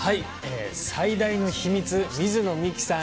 最大の秘密、水野美紀さん